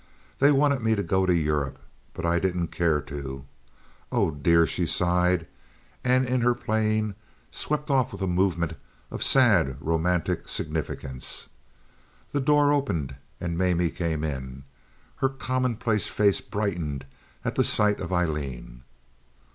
They wanted me to go to Europe; but I didn't care to. Oh, dear!" she sighed, and in her playing swept off with a movement of sad, romantic significance. The door opened and Mamie came in. Her commonplace face brightened at the sight of Aileen.